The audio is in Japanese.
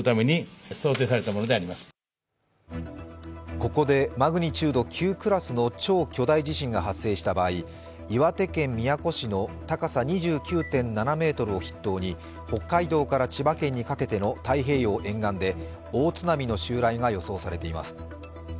ここでマグニチュード９クラスの超巨大地震が発生した場合岩手県宮古市の高さ２９．７ｍを筆頭に北海道から千葉県にかけての太平洋沿岸で大津波の襲来が予想されています。